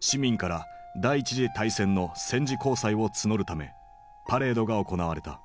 市民から第一次大戦の戦時公債を募るためパレードが行われた。